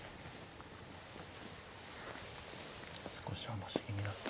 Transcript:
少し余し気味だった？